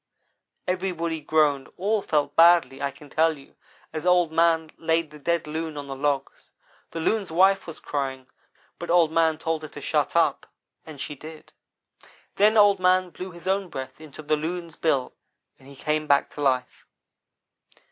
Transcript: Everybody groaned all felt badly, I can tell you, as Old man laid the dead Loon on the logs. The Loon's wife was crying, but Old man told her to shut up and she did. "Then Old man blew his own breath into the Loon's bill, and he came back to life.